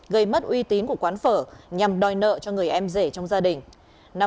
gây mất uy tín của quán phở nhằm đòi nợ cho người em rể trong gia đình